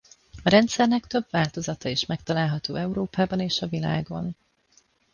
A rendszernek több változata is megtalálható Európában és a világon.